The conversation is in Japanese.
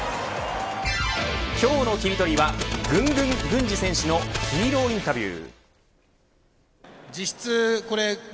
今日のキリトリはぐんぐん郡司選手のヒーローインタビュー。